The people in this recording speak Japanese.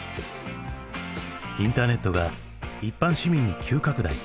インターネットが一般市民に急拡大。